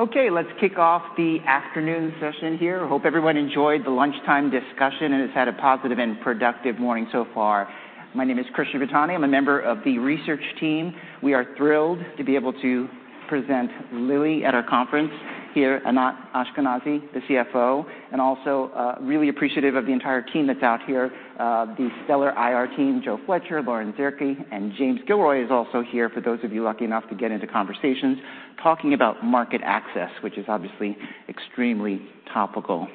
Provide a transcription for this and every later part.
Okay, let's kick off the afternoon session here. I hope everyone enjoyed the lunchtime discussion and has had a positive and productive morning so far. My name is Chris Shibutani. I'm a member of the research team. We are thrilled to be able to present Lilly at our conference here, Anat Ashkenazi, the CFO, and also really appreciative of the entire team that's out here, the stellar IR team, Joe Fletcher, Lauren Zierke, and James Gilroy is also here, for those of you lucky enough to get into conversations, talking about market access, which is obviously extremely topical.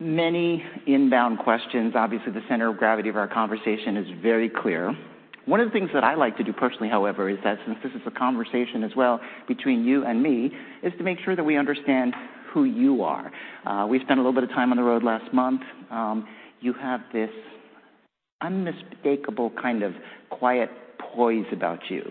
Many inbound questions. Obviously, the center of gravity of our conversation is very clear. One of the things that I like to do personally, however, is that since this is a conversation as well between you and me, is to make sure that we understand who you are. We spent a little bit of time on the road last month. You have this unmistakable kind of quiet poise about you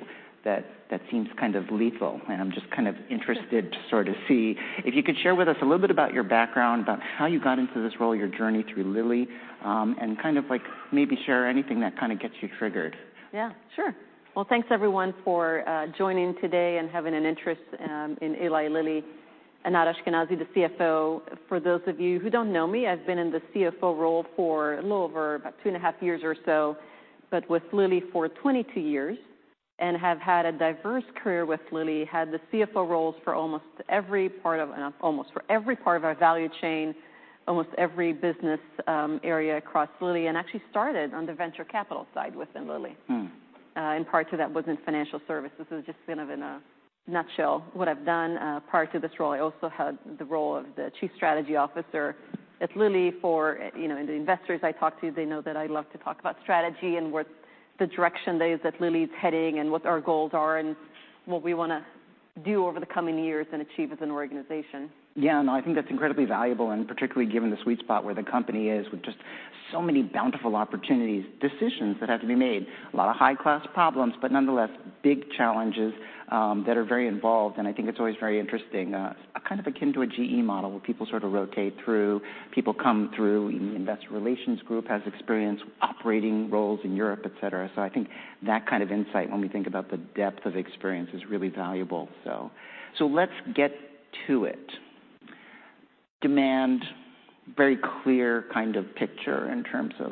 that seems kind of lethal. I'm just kind of interested to sort of see if you could share with us a little bit about your background, about how you got into this role, your journey through Lilly, and kind of, like, maybe share anything that kind of gets you triggered. Yeah, sure. Well, thanks, everyone, for joining today and having an interest in Eli Lilly. Anat Ashkenazi, the CFO. For those of you who don't know me, I've been in the CFO role for a little over about two and a half years or so, but with Lilly for 22 years and have had a diverse career with Lilly. Had the CFO roles for almost every part of our value chain, almost every business area across Lilly, and actually started on the venture capital side within Lilly. Hmm. Prior to that was in financial services. This is just kind of in a nutshell, what I've done. Prior to this role, I also had the role of the chief strategy officer at Lilly for, you know, the investors I talk to, they know that I love to talk about strategy and what the direction that Lilly is heading and what our goals are and what we want to do over the coming years and achieve as an organization. Yeah, no, I think that's incredibly valuable, and particularly given the sweet spot where the company is, with just so many bountiful opportunities, decisions that have to be made. A lot of high-class problems, but nonetheless, big challenges that are very involved. I think it's always very interesting, kind of akin to a GE model, where people sort of rotate through, people come through. The investor relations group has experience, operating roles in Europe, et cetera. I think that kind of insight, when we think about the depth of experience, is really valuable, so. Let's get to it. Demand, very clear kind of picture in terms of,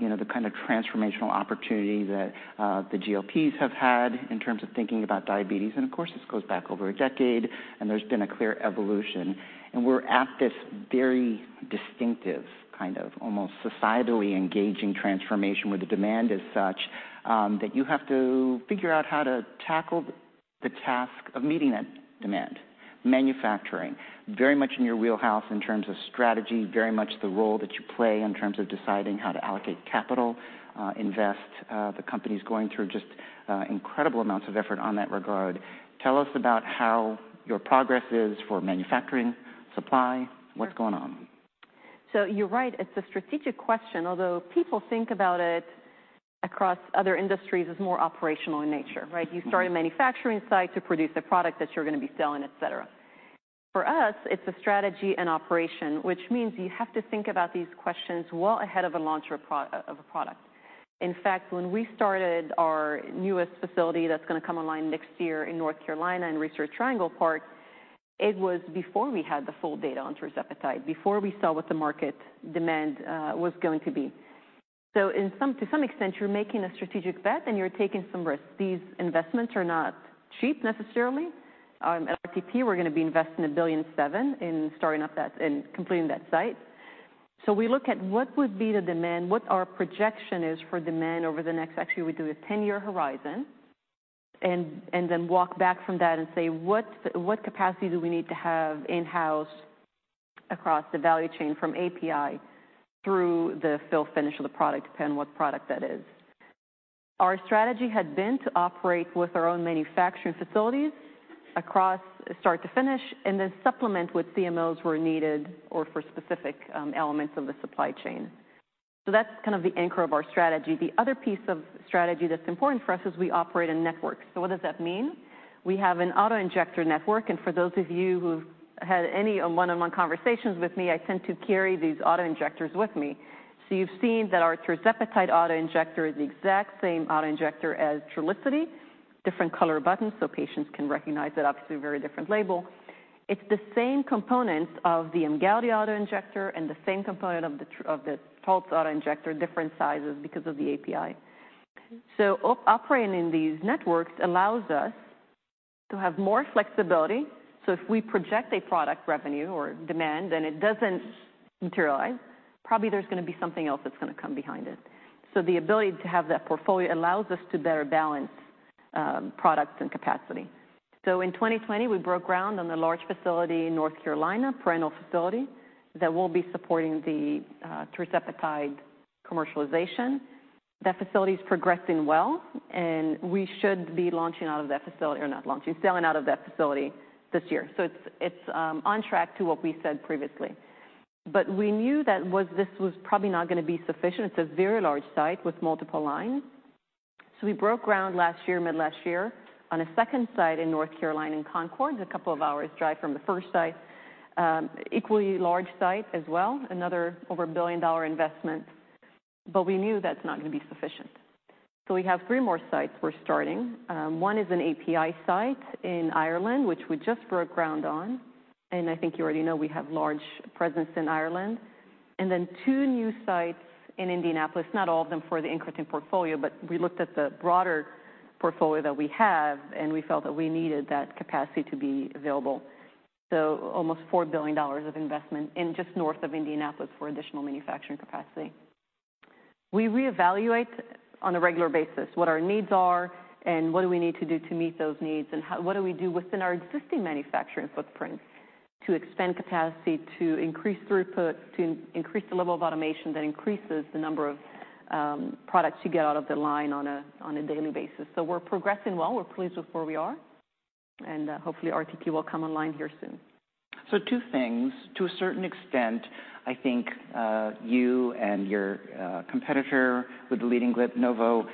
you know, the kind of transformational opportunity that the GLPs have had in terms of thinking about diabetes. Of course, this goes back over a decade, and there's been a clear evolution. We're at this very distinctive, kind of almost societally engaging transformation, where the demand is such that you have to figure out how to tackle the task of meeting that demand. Manufacturing, very much in your wheelhouse in terms of strategy, very much the role that you play in terms of deciding how to allocate capital, invest. The company's going through just incredible amounts of effort on that regard. Tell us about how your progress is for manufacturing, supply. What's going on? You're right, it's a strategic question, although people think about it across other industries as more operational in nature, right? Mm-hmm. You start a manufacturing site to produce a product that you're going to be selling, et cetera. For us, it's a strategy and operation, which means you have to think about these questions well ahead of a launch of a product. In fact, when we started our newest facility that's going to come online next year in North Carolina, in Research Triangle Park, it was before we had the full data on tirzepatide, before we saw what the market demand was going to be. To some extent, you're making a strategic bet and you're taking some risks. These investments are not cheap necessarily. At RTP, we're going to be investing $1.7 billion in starting up that, and completing that site. We look at what would be the demand, what our projection is for demand over the next Actually, we do a 10-year horizon, and then walk back from that and say, what, what capacity do we need to have in-house across the value chain, from API through the fill finish of the product, depending on what product that is? Our strategy had been to operate with our own manufacturing facilities across start to finish, and then supplement with CMOs where needed or for specific elements of the supply chain. That's kind of the anchor of our strategy. The other piece of strategy that's important for us is we operate in networks. What does that mean? We have an autoinjector network, and for those of you who've had any one-on-one conversations with me, I tend to carry these autoinjectors with me. You've seen that our tirzepatide autoinjector is the exact same autoinjector as Trulicity, different color buttons, so patients can recognize it. Obviously, a very different label. It's the same components of the Emgality autoinjector and the same component of the Taltz autoinjector, different sizes because of the API. Operating in these networks allows us to have more flexibility. If we project a product revenue or demand, and it doesn't materialize, probably there's going to be something else that's going to come behind it. The ability to have that portfolio allows us to better balance products and capacity. In 2020, we broke ground on a large facility in North Carolina, parental facility, that will be supporting the tirzepatide commercialization. That facility is progressing well, and we should be launching out of that facility, or not launching, selling out of that facility this year. It's on track to what we said previously. We knew this was probably not going to be sufficient. It's a very large site with multiple lines. We broke ground last year, mid-last year, on a second site in North Carolina, in Concord, a couple of hours drive from the first site. Equally large site as well, another over a $1 billion investment. We knew that's not going to be sufficient. We have three more sites we're starting. One is an API site in Ireland, which we just broke ground on, and I think you already know we have large presence in Ireland. Two new sites in Indianapolis, not all of them for the incretin portfolio, but we looked at the broader portfolio that we have, and we felt that we needed that capacity to be available. Almost $4 billion of investment in just north of Indianapolis for additional manufacturing capacity. We reevaluate on a regular basis what our needs are and what do we need to do to meet those needs, and what do we do within our existing manufacturing footprint to expand capacity, to increase throughput, to increase the level of automation that increases the number of products you get out of the line on a daily basis. We're progressing well. We're pleased with where we are, and hopefully RTP will come online here soon. Two things. To a certain extent, I think, you and your, competitor with the leading GLP-1, Novo,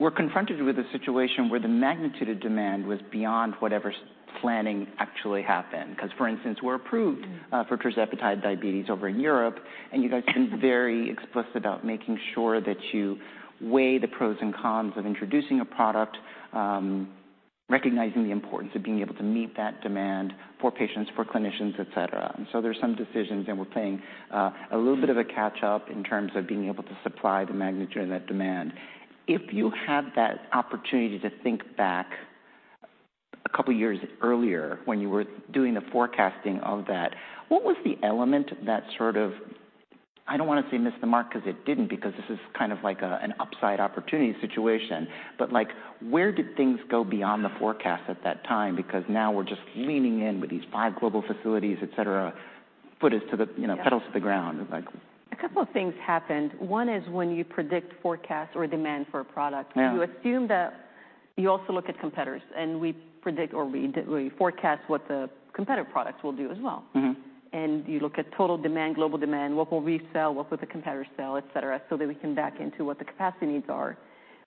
were confronted with a situation where the magnitude of demand was beyond whatever planning actually happened. For instance, we're approved, for tirzepatide diabetes over in Europe, and you guys have been very explicit about making sure that you weigh the pros and cons of introducing a product, recognizing the importance of being able to meet that demand for patients, for clinicians, et cetera. There's some decisions, and we're playing, a little bit of a catch-up in terms of being able to supply the magnitude of that demand. If you had that opportunity to think back a couple of years earlier when you were doing the forecasting of that, what was the element that sort of, I don't want to say missed the mark, because it didn't, because this is kind of like a, an upside opportunity situation, but like, where did things go beyond the forecast at that time? Because now we're just leaning in with these five global facilities, et cetera, footages to the Yeah You know, pedals to the ground. A couple of things happened. One is when you predict, forecast, or demand for a product- Yeah You assume that you also look at competitors, and we predict or we forecast what the competitor products will do as well. Mm-hmm. You look at total demand, global demand, what will we sell, what will the competitors sell, et cetera, so that we can back into what the capacity needs are.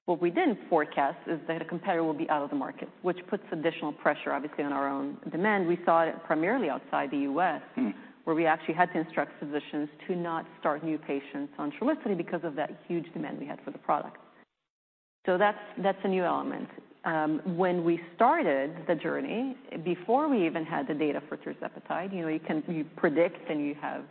What we didn't forecast is that a competitor will be out of the market, which puts additional pressure, obviously, on our own demand. We saw it primarily outside the U.S. Mm Where we actually had to instruct physicians to not start new patients on Trulicity because of that huge demand we had for the product. That's a new element. When we started the journey, before we even had the data for tirzepatide, you know, you can, you predict, and you have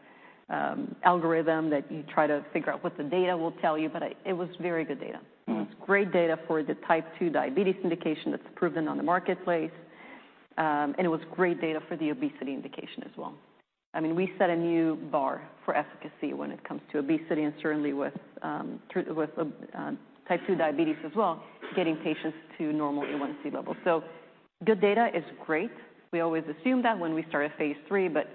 algorithm that you try to figure out what the data will tell you, but it was very good data. Mm. It was great data for the type two diabetes indication that's proven on the marketplace, and it was great data for the obesity indication as well. I mean, we set a new bar for efficacy when it comes to obesity and certainly with type two diabetes as well, getting patients to normal A1C levels. Good data is great. We always assume that when we start a phase III, but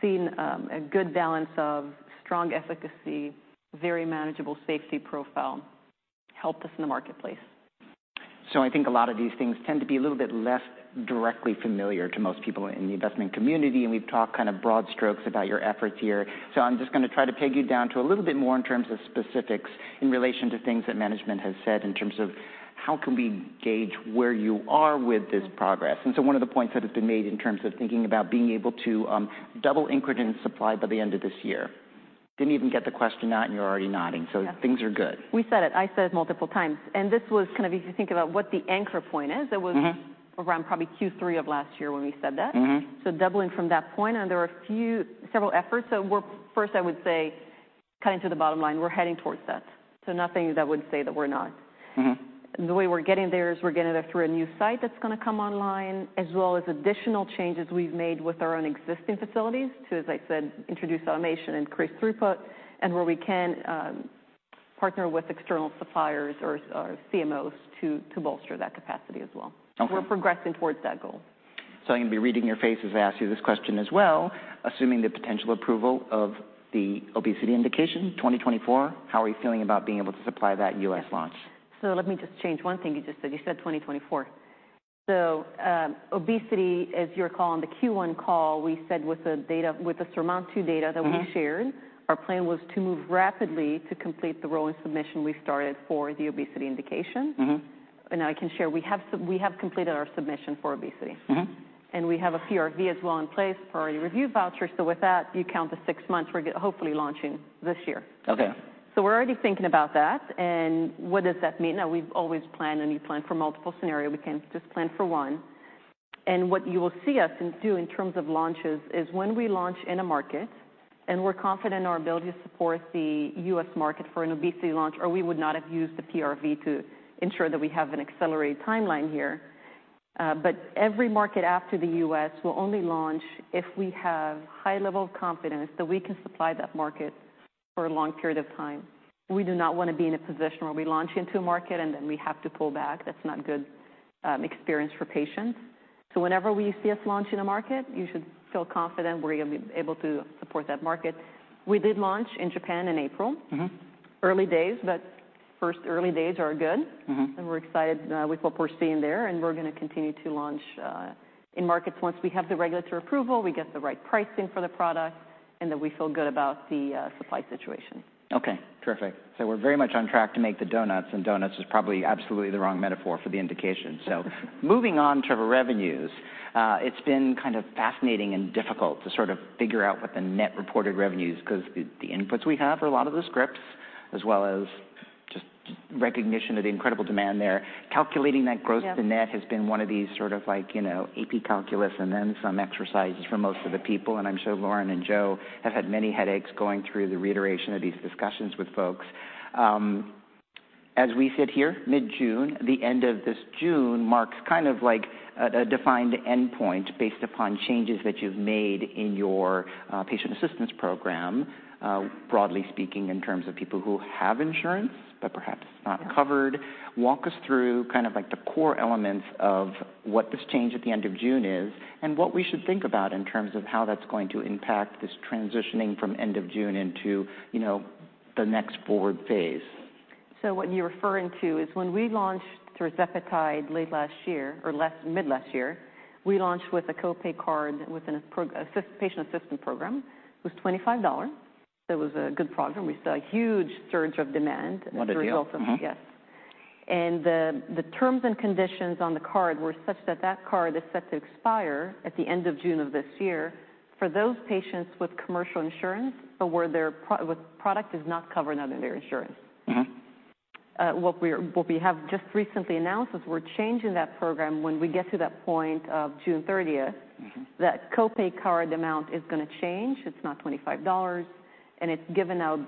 seeing, a good balance of strong efficacy, very manageable safety profile helped us in the marketplace. I think a lot of these things tend to be a little bit less directly familiar to most people in the investment community, and we've talked kind of broad strokes about your efforts here. I'm just going to try to peg you down to a little bit more in terms of specifics in relation to things that management has said in terms of how can we gauge where you are with this progress. One of the points that have been made in terms of thinking about being able to double incretin supply by the end of this year. Didn't even get the question out, and you're already nodding. Yeah Things are good. We said it. I said it multiple times. This was kind of if you think about what the anchor point is. Mm-hmm It was around probably Q3 of last year when we said that. Mm-hmm. Doubling from that point, and there are a few, several efforts. We're, first, I would say, cutting to the bottom line, we're heading towards that. Nothing that would say that we're not. Mm-hmm. The way we're getting there is we're getting there through a new site that's going to come online, as well as additional changes we've made with our own existing facilities to, as I said, introduce automation and increase throughput, and where we can, partner with external suppliers or CMOs to bolster that capacity as well. Okay. We're progressing towards that goal. I'm going to be reading your face as I ask you this question as well. Assuming the potential approval of the obesity indication, 2024, how are you feeling about being able to supply that U.S. launch? Let me just change one thing you just said. You said 2024. Obesity, as you recall on the Q1 call, we said with the data, with the SURMOUNT-2 data that. Mm-hmm Shared, our plan was to move rapidly to complete the rolling submission we started for the obesity indication. Mm-hmm. I can share, we have completed our submission for obesity. Mm-hmm. We have a PRV as well in place, Priority Review Voucher. With that, you count to six months, we're hopefully launching this year. Okay. We're already thinking about that. What does that mean? Now, we've always planned, and you plan for multiple scenario. We can't just plan for one. What you will see us do in terms of launches is when we launch in a market, and we're confident in our ability to support the U.S. market for an obesity launch, or we would not have used the PRV to ensure that we have an accelerated timeline here. Every market after the US will only launch if we have high level of confidence that we can supply that market for a long period of time. We do not want to be in a position where we launch into a market, and then we have to pull back. That's not good experience for patients. Whenever we see us launch in a market, you should feel confident we're going to be able to support that market. We did launch in Japan in April. Mm-hmm. Early days, but first early days are good. Mm-hmm. We're excited with what we're seeing there, and we're going to continue to launch in markets once we have the regulatory approval, we get the right pricing for the product, and that we feel good about the supply situation. Okay, terrific. We're very much on track to make the donuts, Donuts is probably absolutely the wrong metaphor for the indication. Moving on to the revenues, it's been kind of fascinating and difficult to sort of figure out what the net reported revenues, because the inputs we have are a lot of the scripts, as well as just recognition of the incredible demand there. Calculating that growth- Yeah. To net has been one of these sort of like, you know, AP Calculus and then some exercises for most of the people, and I'm sure Lauren and Joe have had many headaches going through the reiteration of these discussions with folks. As we sit here, mid-June, the end of this June marks kind of like a defined endpoint based upon changes that you've made in your patient assistance program, broadly speaking, in terms of people who have insurance, but perhaps not covered. Yeah. Walk us through kind of like the core elements of what this change at the end of June is, and what we should think about in terms of how that's going to impact this transitioning from end of June into, you know, the next forward phase. What you're referring to is when we launched tirzepatide late last year, or mid last year, we launched with a copay card with an assist, patient assistance program. It was $25. It was a good program. We saw a huge surge of demand What a deal. Mm-hmm. As a result of it, yes. The terms and conditions on the card were such that that card is set to expire at the end of June of this year for those patients with commercial insurance, but where their with product is not covered under their insurance. Mm-hmm. What we have just recently announced is we're changing that program when we get to that point of June 30th. Mm-hmm. That copay card amount is going to change. It's not $25, and it's giving out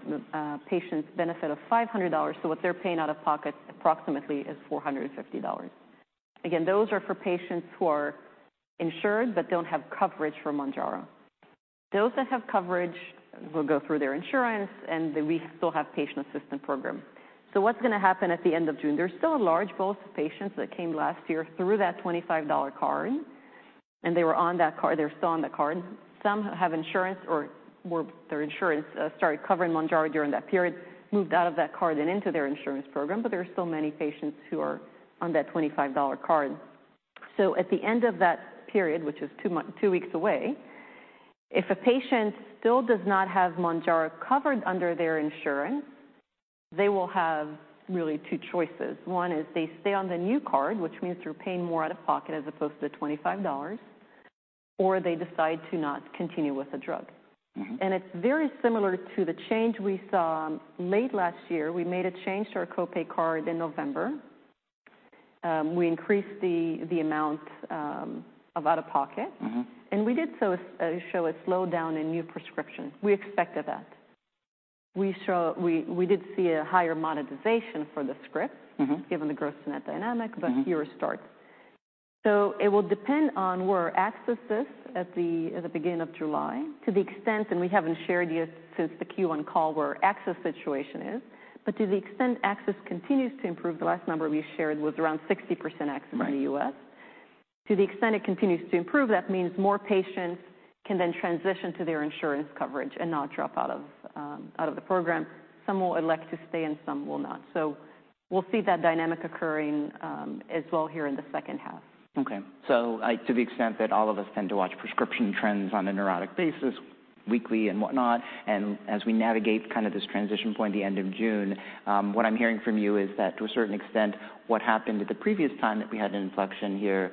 patients benefit of $500, so what they're paying out of pocket approximately is $450. Again, those are for patients who are insured but don't have coverage for Mounjaro. Those that have coverage will go through their insurance, and we still have patient assistance program. What's going to happen at the end of June? There's still a large pool of patients that came last year through that $25 card, and they were on that card. They're still on the card. Some have insurance or their insurance started covering Mounjaro during that period, moved out of that card and into their insurance program, but there are still many patients who are on that $25 card. At the end of that period, which is two weeks away, if a patient still does not have Mounjaro covered under their insurance, they will have really two choices. One is they stay on the new card, which means they're paying more out of pocket as opposed to the $25, or they decide to not continue with the drug. Mm-hmm. It's very similar to the change we saw late last year. We made a change to our copay card in November. We increased the amount of out-of-pocket. Mm-hmm. We did so, show a slowdown in new prescriptions. We expected that. We did see a higher monetization for the script. Mm-hmm. Given the gross net dynamic. Mm-hmm. Fewer starts. It will depend on where access is at the, at the beginning of July. To the extent, and we haven't shared yet since the Q1 call, where our access situation is, but to the extent access continues to improve, the last number we shared was around 60% access in the U.S. Right. To the extent it continues to improve, that means more patients can then transition to their insurance coverage and not drop out of, out of the program. Some will elect to stay, and some will not. We'll see that dynamic occurring, as well here in the H2. I, to the extent that all of us tend to watch prescription trends on a neurotic basis, weekly and whatnot, and as we navigate kind of this transition point at the end of June, what I'm hearing from you is that, to a certain extent, what happened at the previous time that we had an inflection here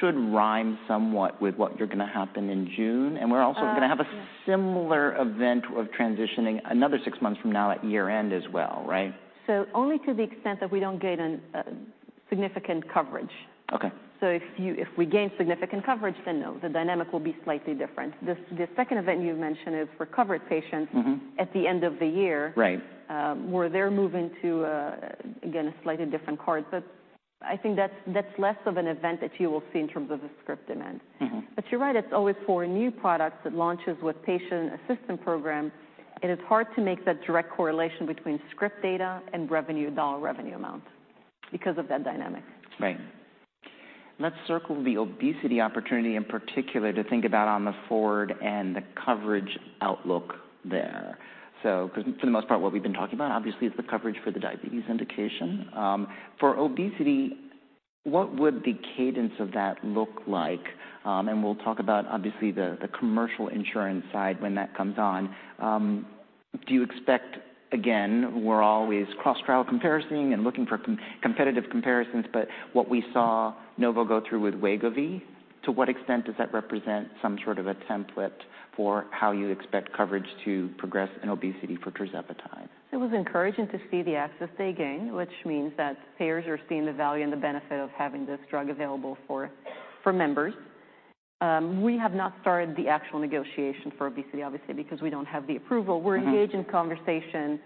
should rhyme somewhat with what you're going to happen in June. Yeah. We're also going to have a similar event of transitioning another six months from now at year-end as well, right? Only to the extent that we don't gain an, significant coverage. Okay. If you, if we gain significant coverage, then no, the dynamic will be slightly different. The second event you mentioned is for covered patients Mm-hmm. At the end of the year. Right. Where they're moving to a, again, a slightly different card, but I think that's less of an event that you will see in terms of the script demand. Mm-hmm. You're right, it's always for new products that launches with patient assistance program, it is hard to make that direct correlation between script data and revenue, dollar revenue amount because of that dynamic. Right. Let's circle the obesity opportunity in particular to think about on the forward and the coverage outlook there. Because for the most part, what we've been talking about, obviously, is the coverage for the diabetes indication. For obesity, what would the cadence of that look like? We'll talk about, obviously, the commercial insurance side when that comes on. Do you expect, again, we're always cross-trial comparison and looking for competitive comparisons, but what we saw Novo go through with Wegovy, to what extent does that represent some sort of a template for how you expect coverage to progress in obesity for tirzepatide? It was encouraging to see the access they gained, which means that payers are seeing the value and the benefit of having this drug available for members. We have not started the actual negotiation for obesity, obviously, because we don't have the approval. Mm-hmm. We're engaged in conversations,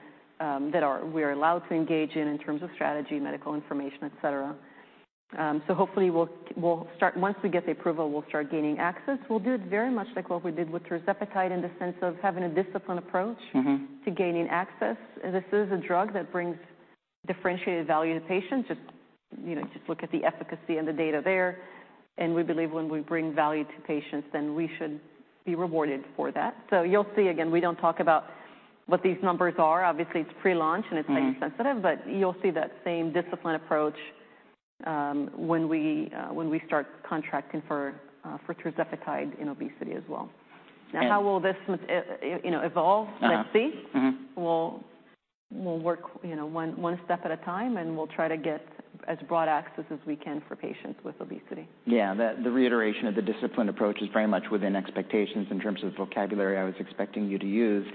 we are allowed to engage in terms of strategy, medical information, et cetera. Hopefully, Once we get the approval, we'll start gaining access. We'll do it very much like what we did with tirzepatide in the sense of having a disciplined approach. Mm-hmm. to gaining access. This is a drug that brings differentiated value to patients. Just, you know, just look at the efficacy and the data there, and we believe when we bring value to patients, then we should be rewarded for that. You'll see, again, we don't talk about what these numbers are. Obviously, it's pre-launch, and it's Mm-hmm Price sensitive, but you'll see that same disciplined approach, when we, when we start contracting for tirzepatide in obesity as well. And How will this you know, evolve? Uh-huh. Let's see. Mm-hmm. We'll work, you know, one step at a time, and we'll try to get as broad access as we can for patients with obesity. The reiteration of the disciplined approach is very much within expectations in terms of the vocabulary I was expecting you to use.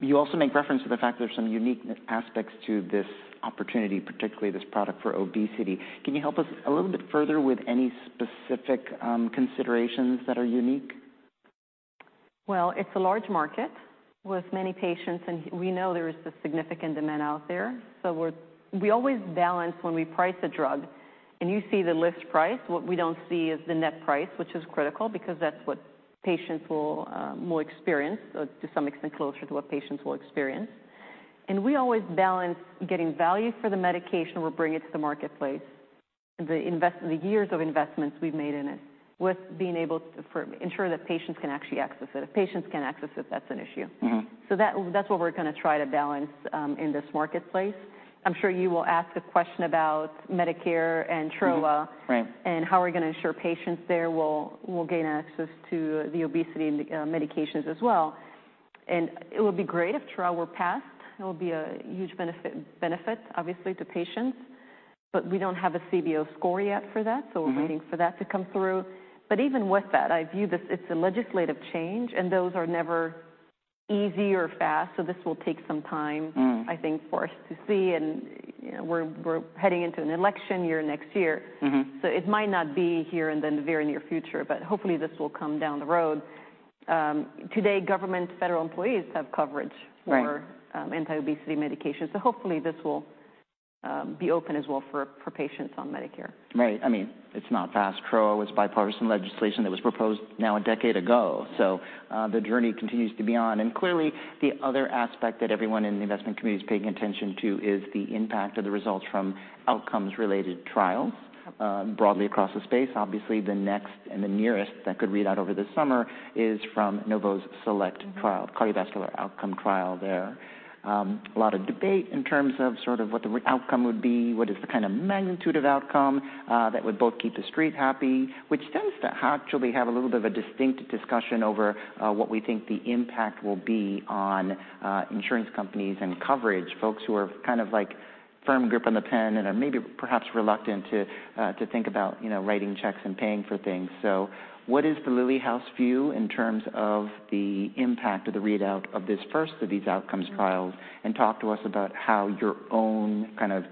You also make reference to the fact there's some unique aspects to this opportunity, particularly this product for obesity. Can you help us a little bit further with any specific considerations that are unique? It's a large market with many patients. We know there is a significant demand out there. We always balance when we price a drug. You see the list price. What we don't see is the net price, which is critical, because that's what patients will experience, or to some extent, closer to what patients will experience. We always balance getting value for the medication we're bringing to the marketplace, the years of investments we've made in it, with being able to ensure that patients can actually access it. If patients can't access it, that's an issue. Mm-hmm. That's what we're going to try to balance in this marketplace. I'm sure you will ask a question about Medicare and TRO. Mm-hmm, right. How we're gonna ensure patients there will gain access to the obesity medications as well. It would be great if TRO were passed. It would be a huge benefit, obviously, to patients, but we don't have a CBO score yet for that. Mm-hmm. We're waiting for that to come through. Even with that, I view this, it's a legislative change. Those are never easy or fast, this will take some time. Mm. I think, for us to see. You know, we're heading into an election year next year. Mm-hmm. It might not be here in the very near future, but hopefully, this will come down the road. Today, government federal employees have coverage Right. For anti-obesity medications, so hopefully, this will be open as well for patients on Medicare. Right. I mean, it's not fast. TRO is bipartisan legislation that was proposed now a decade ago, so, the journey continues to be on. Clearly, the other aspect that everyone in the investment community is paying attention to is the impact of the results from outcomes related trials. Yep. Broadly across the space. Obviously, the next and the nearest that could read out over the summer is from Novo's SELECT trial. Mm-hmm. Cardiovascular outcome trial there. A lot of debate in terms of sort of what the outcome would be, what is the kind of magnitude of outcome, that would both keep the Street happy, which tends to actually have a little bit of a distinct discussion over, what we think the impact will be on, insurance companies and coverage, folks who are kind of like firm grip on the pen and are maybe perhaps reluctant to think about, you know, writing checks and paying for things. What is the Lilly house view in terms of the impact of the readout of this first of these outcomes trials? Mm-hmm. Talk to us about how your own kind of,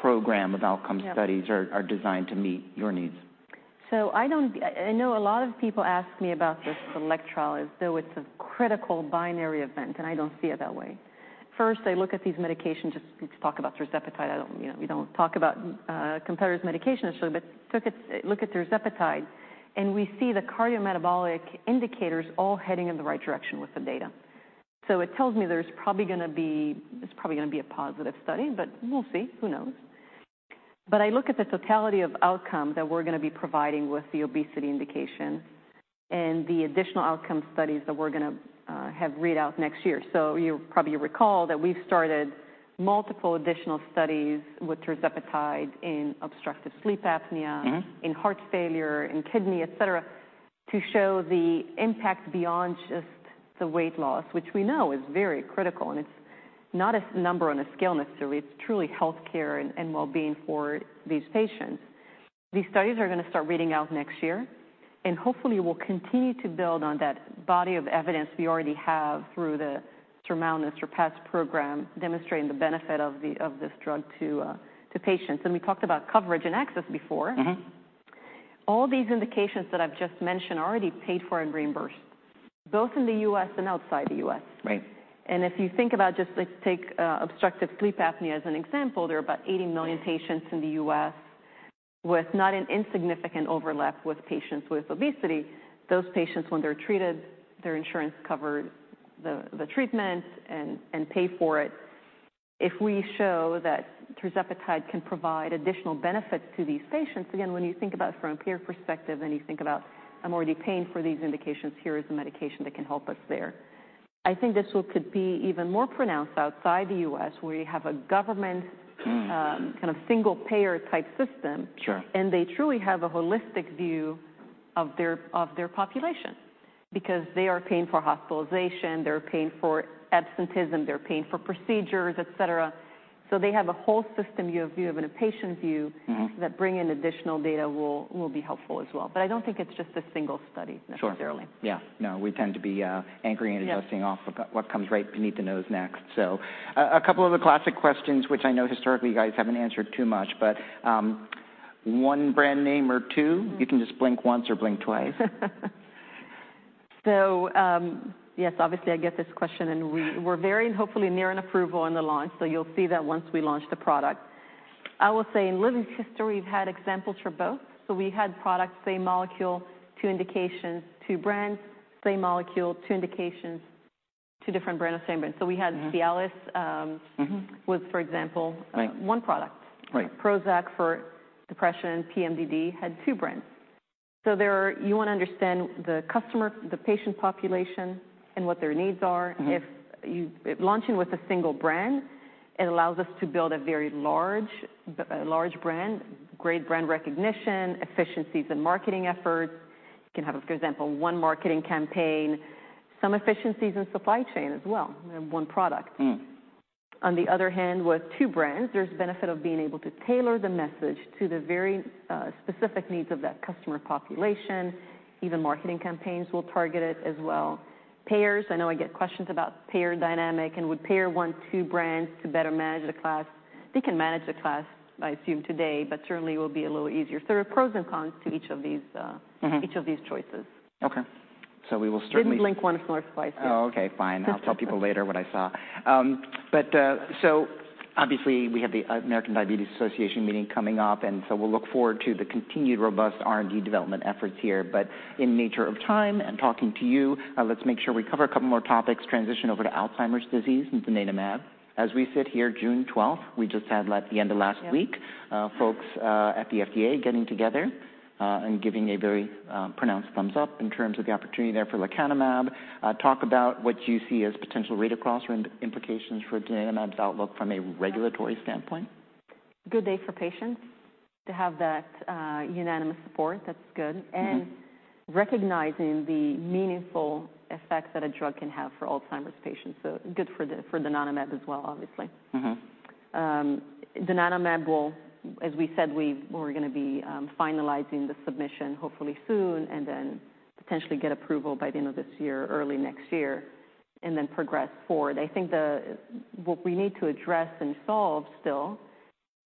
program of outcome Yeah Studies are designed to meet your needs. I know a lot of people ask me about this SELECT trial as though it's a critical binary event, and I don't see it that way. First, I look at these medications, just to talk about tirzepatide, I don't, you know, we don't talk about competitors' medications, but look at tirzepatide, and we see the cardiometabolic indicators all heading in the right direction with the data. It tells me it's probably gonna be a positive study, but we'll see. Who knows? I look at the totality of outcome that we're gonna be providing with the obesity indication and the additional outcome studies that we're gonna have read out next year. You probably recall that we've started multiple additional studies with tirzepatide in obstructive sleep apnea- Mm-hmm In heart failure, in kidney, et cetera, to show the impact beyond just the weight loss, which we know is very critical, and it's not a number on a scale necessarily. It's truly healthcare and wellbeing for these patients. These studies are gonna start reading out next year, and hopefully, we'll continue to build on that body of evidence we already have through the SURMOUNT and the SURPASS program, demonstrating the benefit of the, of this drug to patients. We talked about coverage and access before. Mm-hmm. All these indications that I've just mentioned are already paid for and reimbursed, both in the U.S. and outside the U.S. Right. If you think about just, let's take obstructive sleep apnea as an example, there are about 80 million patients in the U.S. with not an insignificant overlap with patients with obesity. Those patients, when they're treated, their insurance covers the treatment and pay for it. If we show that tirzepatide can provide additional benefits to these patients, again, when you think about it from a payer perspective, and you think about, I'm already paying for these indications, here is a medication that can help us there. I think this could be even more pronounced outside the U.S., where you have a government- Mm Kind of single-payer type system. Sure. They truly have a holistic view of their population because they are paying for hospitalization, they're paying for absenteeism, they're paying for procedures, et cetera. They have a whole system view, and a patient view. Mm-hmm That bringing additional data will be helpful as well. I don't think it's just a single study, necessarily. Sure. Yeah. No, we tend to be, anchoring and adjusting. Yes What comes right beneath the nose next? A couple of the classic questions, which I know historically you guys haven't answered too much, but, one brand name or two? Mm. You can just blink once or blink twice. Yes, obviously I get this question, and we're very hopefully near an approval on the launch, so you'll see that once we launch the product. I will say in Lilly's history, we've had examples for both. We had products, same molecule, two indications, two brands, same molecule, two indications, two different brands or same brand. Mm-hmm. We had Cialis. Mm-hmm Was for example Right One product. Right. Prozac for depression, PMDD had two brands. You want to understand the customer, the patient population, and what their needs are. Mm-hmm. Launching with a single brand, it allows us to build a very large brand, great brand recognition, efficiencies in marketing efforts. You can have, for example, one marketing campaign, some efficiencies in supply chain as well, in one product. Mm. On the other hand, with two brands, there's benefit of being able to tailor the message to the very specific needs of that customer population. Even marketing campaigns will target it as well. Payers, I know I get questions about payer dynamic and would payer want two brands to better manage the class? They can manage the class, I assume, today, but certainly it will be a little easier. There are pros and cons to each of these. Mm-hmm. Each of these choices. Okay. We will certainly. Didn't blink once or twice. Okay, fine. I'll tell people later what I saw. Obviously we have the American Diabetes Association meeting coming up, we'll look forward to the continued robust R&D development efforts here. In nature of time and talking to you, let's make sure we cover a couple more topics. Transition over to Alzheimer's disease and donanemab. As we sit here, June twelfth, we just had, like, the end of last week. Yeah Folks, at the FDA getting together, giving a very pronounced thumbs up in terms of the opportunity there for lecanemab. Talk about what you see as potential read-across or implications for donanemab's outlook from a regulatory standpoint? Good day for patients to have that, unanimous support. That's good. Mm-hmm. Recognizing the meaningful effects that a drug can have for Alzheimer's patients. Good for donanemab as well, obviously. Mm-hmm. Donanemab will, as we said, we're gonna be finalizing the submission hopefully soon, and then potentially get approval by the end of this year or early next year, and then progress forward. I think the, what we need to address and solve still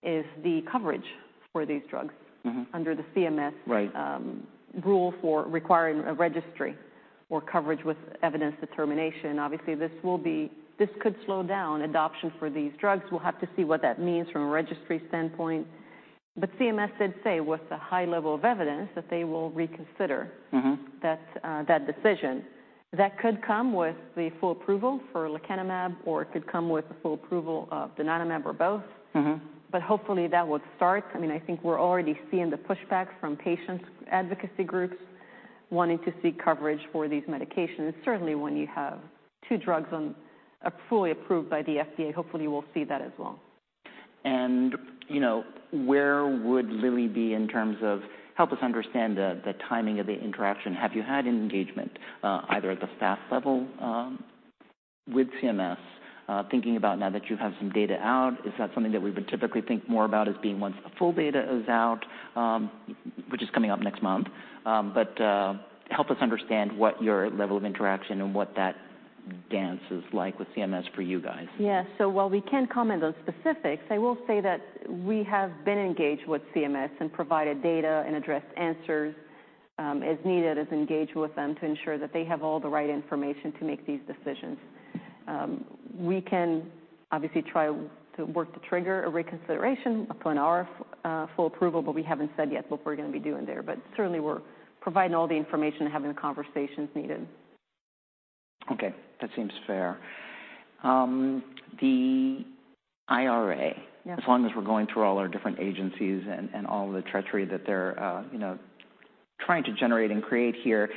is the coverage for these drugs. Mm-hmm Under the CMS. Right Rule for requiring a registry or Coverage with Evidence Determination. Obviously, this could slow down adoption for these drugs. We'll have to see what that means from a registry standpoint. CMS did say, with a high level of evidence, that they will reconsider. Mm-hmm That decision. That could come with the full approval for lecanemab, or it could come with the full approval of donanemab, or both. Mm-hmm. Hopefully, that would start. I mean, I think we're already seeing the pushback from patient advocacy groups wanting to see coverage for these medications. Certainly, when you have two drugs on, fully approved by the FDA, hopefully we'll see that as well. You know, where would Lilly be in terms of. Help us understand the timing of the interaction. Have you had an engagement either at the staff level with CMS? Thinking about now that you have some data out, is that something that we would typically think more about as being once the full data is out, which is coming up next month? Help us understand what your level of interaction and what that dance is like with CMS for you guys. While we can't comment on specifics, I will say that we have been engaged with CMS and provided data and addressed answers, as needed, as engaged with them to ensure that they have all the right information to make these decisions. We can obviously try to work to trigger a reconsideration upon our full approval, but we haven't said yet what we're gonna be doing there. Certainly, we're providing all the information and having the conversations needed. Okay, that seems fair. The IRA Yes As long as we're going through all our different agencies and all the treachery that they're, you know, trying to generate and create here.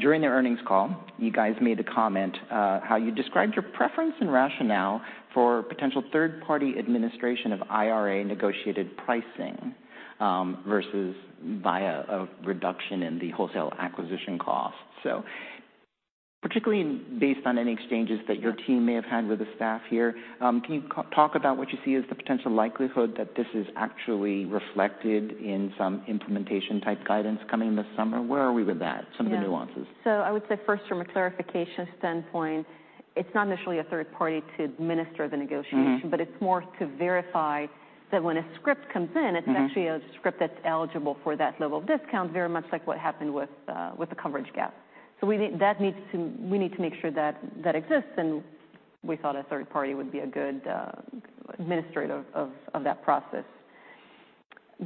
During the earnings call, you guys made a comment how you described your preference and rationale for potential third-party administration of IRA negotiated pricing versus via a reduction in the wholesale acquisition costs. Particularly based on any exchanges that your team may have had with the staff here, can you talk about what you see as the potential likelihood that this is actually reflected in some implementation-type guidance coming this summer? Where are we with that? Yeah Some of the nuances? I would say first, from a clarification standpoint, it's not initially a third party to administer the negotiation Mm-hmm But it's more to verify that when a script comes in. Mm-hmm It's actually a script that's eligible for that level of discount, very much like what happened with the coverage gap. We need to make sure that that exists, and we thought a third party would be a good administrator of that process.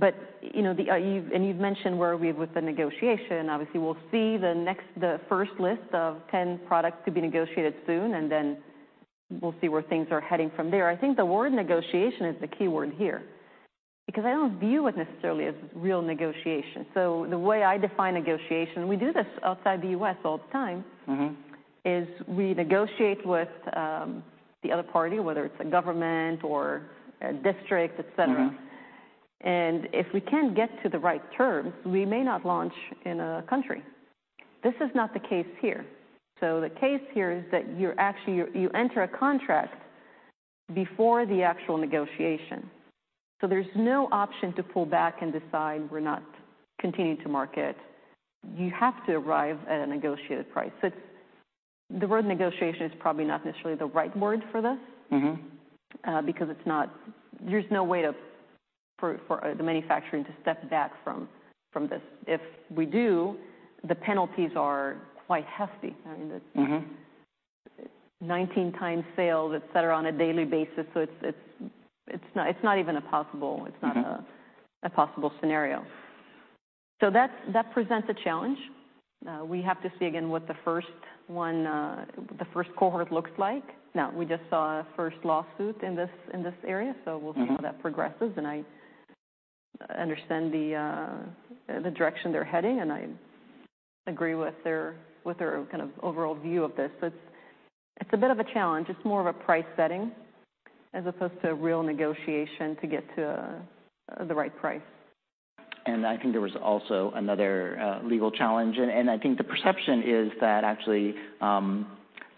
You know, you've mentioned where we are with the negotiation. Obviously, we'll see the next, the first list of 10 products to be negotiated soon, and then we'll see where things are heading from there. I think the word negotiation is the key word here because I don't view it necessarily as real negotiation. The way I define negotiation, we do this outside the U.S. all the time. Mm-hmm Is we negotiate with the other party, whether it's a government or a district, et cetera. Mm-hmm. If we can't get to the right terms, we may not launch in a country. This is not the case here. The case here is that you're actually, you enter a contract before the actual negotiation, so there's no option to pull back and decide we're not continuing to market. You have to arrive at a negotiated price. The word negotiation is probably not necessarily the right word for this. Mm-hmm Because it's not, there's no way to, for the manufacturing to step back from this. If we do, the penalties are quite hefty. I mean, Mm-hmm 19 times sales, et cetera, on a daily basis, so it's not even a possible Mm-hmm It's not a possible scenario. That presents a challenge. We have to see again what the first one, the first cohort looks like. We just saw a first lawsuit in this area. Mm-hmm We'll see how that progresses, and I understand the direction they're heading, and I agree with their, with their kind of overall view of this. It's a bit of a challenge. It's more of a price setting as opposed to a real negotiation to get to the right price. I think there was also another legal challenge. I think the perception is that actually,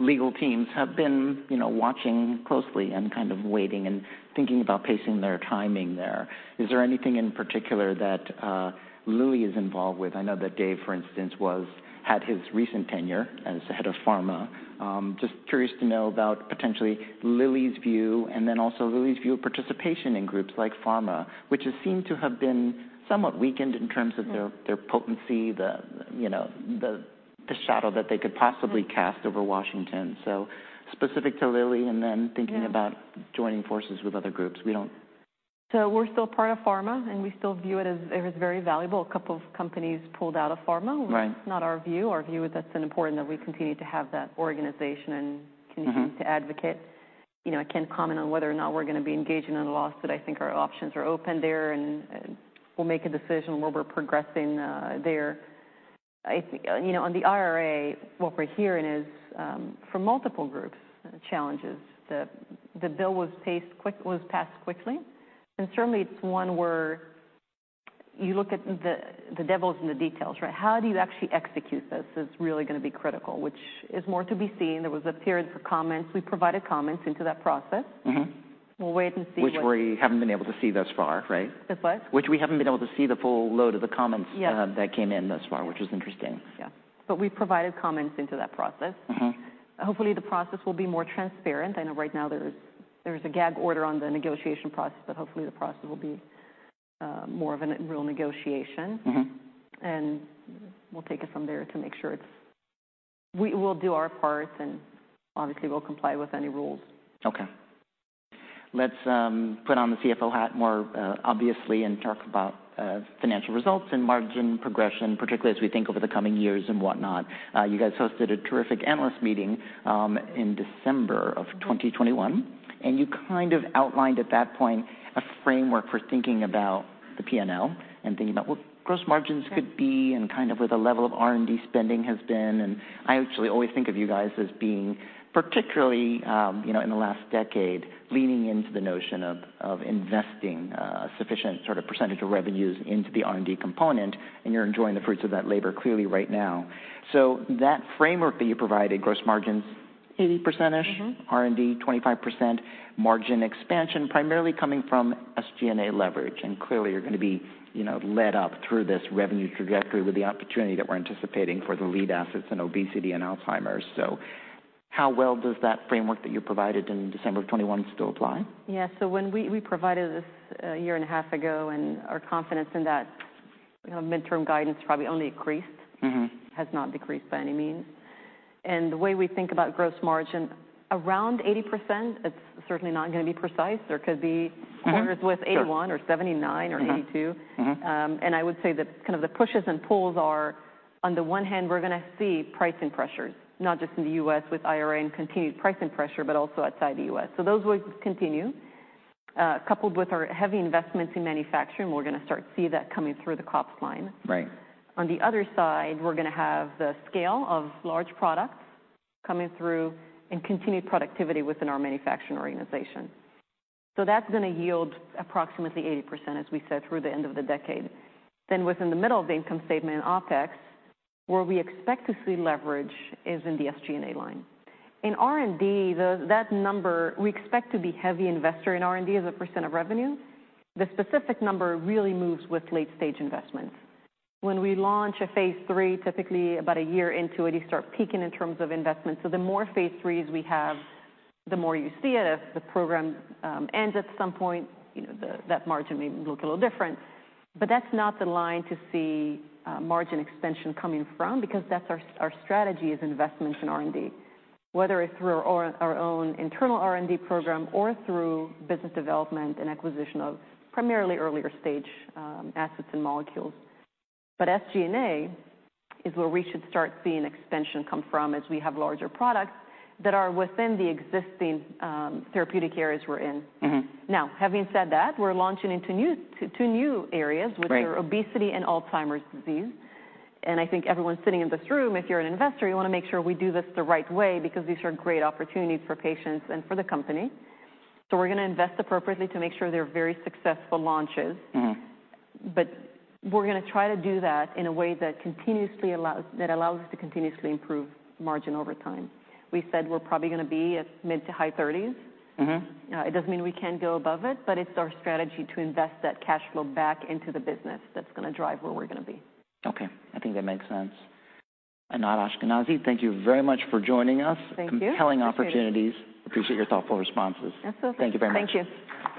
legal teams have been, you know, watching closely and kind of waiting and thinking about pacing their timing there. Is there anything in particular that Lilly is involved with? I know that Dave, for instance, had his recent tenure as the head of PhRMA. Just curious to know about potentially Lilly's view, and then also Lilly's view of participation in groups like PhRMA, which has seemed to have been somewhat weakened in terms of their Mm. Their potency, the, you know, the shadow that they could possibly Mm. Cast over Washington. specific to Lilly, and then thinking Yeah About joining forces with other groups. We don't- We're still part of PhRMA, and we still view it as very valuable. A couple of companies pulled out of PhRMA. Right. That's not our view. Our view is that it's important that we continue to have that organization and Mm-hmm Continue to advocate. You know, I can't comment on whether or not we're going to be engaging on the lawsuit. I think our options are open there, and we'll make a decision where we're progressing there. You know, on the IRA, what we're hearing is from multiple groups, challenges. The bill was passed quickly, and certainly it's one where you look at the devil's in the details, right? How do you actually execute this, is really going to be critical, which is more to be seen. There was a period for comments. We provided comments into that process. Mm-hmm. We'll wait and see. Which we haven't been able to see thus far, right? The what? Which we haven't been able to see the full load of the comments. Yeah That came in thus far, which is interesting. Yeah. We've provided comments into that process. Mm-hmm. Hopefully, the process will be more transparent. I know right now there is a gag order on the negotiation process, hopefully the process will be more of a real negotiation. Mm-hmm. We'll take it from there to make sure. We'll do our part, and obviously, we'll comply with any rules. Okay. Let's put on the CFO hat more, obviously, and talk about financial results and margin progression, particularly as we think over the coming years and whatnot. You guys hosted a terrific analyst meeting in December of Mm 2021, and you kind of outlined at that point a framework for thinking about the PNL and thinking about what gross margins. Right Could be and kind of where the level of R&D spending has been. I actually always think of you guys as being particularly, you know, in the last decade, leaning into the notion of investing sufficient sort of percentage of revenues into the R&D component, and you're enjoying the fruits of that labor clearly right now. That framework that you provided, gross margins, 80%. Mm-hmm R&D, 25%, margin expansion, primarily coming from SG&A leverage, and clearly you're going to be, you know, led up through this revenue trajectory with the opportunity that we're anticipating for the lead assets in obesity and Alzheimer's. How well does that framework that you provided in December of 2021 still apply? Yeah. When we provided this a year and a half ago, and our confidence in that, you know, midterm guidance probably only increased. Mm-hmm Has not decreased by any means. The way we think about gross margin, around 80%, it's certainly not going to be precise. There could be. Mm-hmm Quarters with 81 or 79 or 82. Mm-hmm. Mm-hmm. I would say that kind of the pushes and pulls are, on the one hand, we're going to see pricing pressures, not just in the U.S. with IRA and continued pricing pressure, but also outside the U.S. Those will continue. Coupled with our heavy investments in manufacturing, we're going to start to see that coming through the COPS line. Right. On the other side, we're going to have the scale of large products coming through and continued productivity within our manufacturing organization. That's going to yield approximately 80%, as we said, through the end of the decade. Within the middle of the income statement, OpEx, where we expect to see leverage is in the SG&A line. In R&D, that number, we expect to be heavy investor in R&D as a % of revenue. The specific number really moves with late-stage investments. When we launch a phase III, typically about a year into it, you start peaking in terms of investment. The more Phase 3s we have, the more you see it. If the program ends at some point, you know, that margin may look a little different. That's not the line to see margin expansion coming from, because that's our strategy is investment in R&D. Whether it's through our own internal R&D program or through business development and acquisition of primarily earlier stage assets and molecules. SG&A is where we should start seeing expansion come from as we have larger products that are within the existing therapeutic areas we're in. Mm-hmm. Now, having said that, we're launching into new, two new areas. Right Which are obesity and Alzheimer's disease. I think everyone sitting in this room, if you're an investor, you want to make sure we do this the right way because these are great opportunities for patients and for the company. We're going to invest appropriately to make sure they're very successful launches. Mm-hmm. We're going to try to do that in a way that continuously allows us to continuously improve margin over time. We said we're probably going to be at mid to high thirties. Mm-hmm. It doesn't mean we can't go above it, but it's our strategy to invest that cash flow back into the business that's going to drive where we're going to be. Okay, I think that makes sense. Anat Ashkenazi, thank you very much for joining us. Thank you. Compelling opportunities. Appreciate your thoughtful responses. That's okay. Thank you very much. Thank you.